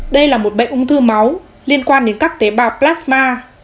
đây là một bệnh ung thư máu liên quan đến các tế bào plasma